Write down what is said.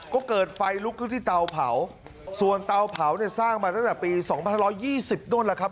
ก็เกิดไฟลุกขึ้นที่เตาเผาส่วนเตาเผาเนี่ยสร้างมาตั้งแต่ปี๒๕๒๐โน้นแหละครับ